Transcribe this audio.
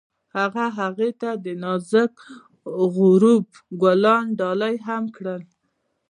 هغه هغې ته د نازک غروب ګلان ډالۍ هم کړل.